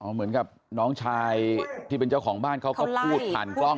เหมือนกับน้องชายที่เป็นเจ้าของบ้านเขาก็พูดผ่านกล้อง